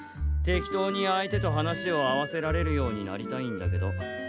適当に相手と話を合わせられるようになりたいんだけど。